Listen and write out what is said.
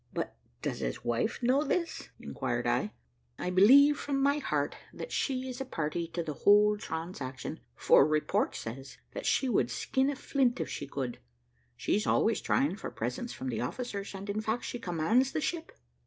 "But does his wife know this?" inquired I. "I believe, from my heart, that she is a party to the whole transaction, for report says, that she would skin a flint if she could. She's always trying for presents from the officers, and, in fact, she commands the ship."